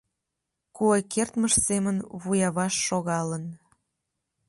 Куэ кертмыж семын вуяваш шогалын.